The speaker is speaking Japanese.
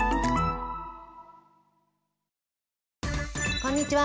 こんにちは。